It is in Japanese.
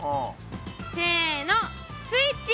せのスイッチ。